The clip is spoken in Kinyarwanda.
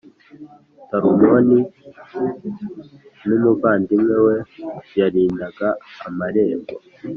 Talumoni numuvandimwe we yarindaga amarembo